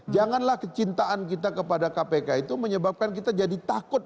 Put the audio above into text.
janganlah kecintaan kita kepada kpk itu menyebabkan kita jadi takut